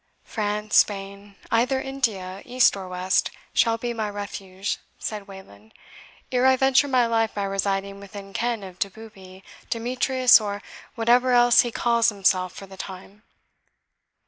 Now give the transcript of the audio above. "France, Spain, either India, East or West, shall be my refuge," said Wayland, "ere I venture my life by residing within ken of Doboobie, Demetrius, or whatever else he calls himself for the time."